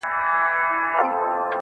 توري جامې ګه دي راوړي دي، نو وایې غونده